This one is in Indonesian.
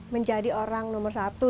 menjadi orang nomor satu